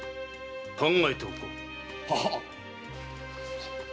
考えておこう。